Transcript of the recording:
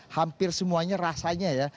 hampir semuanya rasanya ya